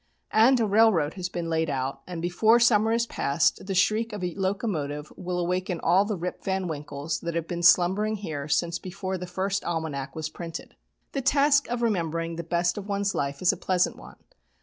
And a railroad has been laid out, and before summer is passed the shriek of a locomotive will awaken all the Rip Van Winkles that have been slumbering here since before the first almanac was printed. The task of remembering the best of one's life is a pleasant one.